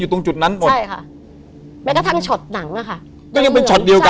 ตรงจุดนั้นหมดใช่ค่ะแม้กระทั่งช็อตหนังอ่ะค่ะก็ยังเป็นช็อตเดียวกัน